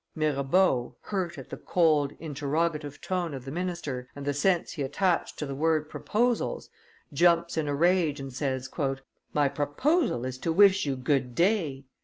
Mirabeau, hurt at the cold, interrogative tone of the minister and the sense he attached to the word proposals, jumps up in a rage and says: "My proposal is to wish you good day."